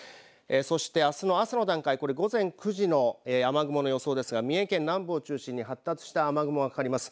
そしてあすの朝の段階、これ午前９時の雨雲の予想ですが、三重県南部を中心に発達した雨雲がかかります。